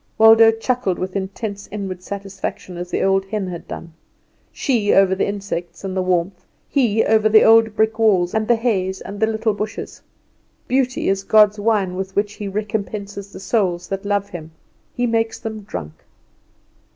Waldo chuckled with intense inward satisfaction as the old hen had done she, over the insects and the warmth; he, over the old brick walls, and the haze, and the little bushes. Beauty is God's wine, with which He recompenses the souls that love Him; He makes them drunk.